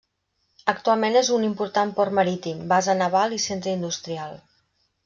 Actualment és un important port marítim, base naval i centre industrial.